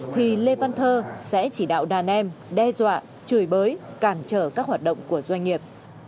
thì lê văn thơ sẽ chỉ đạo đàn em đe dọa chửi bới cản trở các hoạt động của doanh nghiệp